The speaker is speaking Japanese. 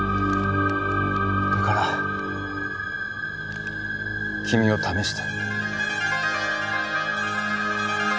だから君を試した。